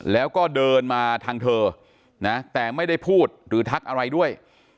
แล้วก็เดินมาทางเธอนะแต่ไม่ได้พูดหรือทักอะไรด้วย